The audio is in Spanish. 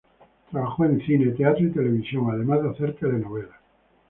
Trabajó en cine, teatro y televisión, además de hacer telenovelas.